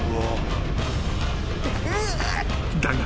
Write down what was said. ［だが